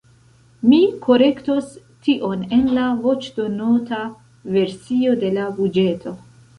Mi korektos tion en la voĉdonota versio de la buĝeto.